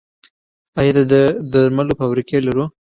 آیا د درملو فابریکې لرو؟